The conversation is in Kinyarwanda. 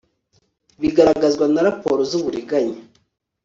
bigaragazwa na raporo z uburiganya